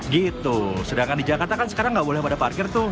gitu sedangkan di jakarta kan sekarang nggak boleh pada parkir tuh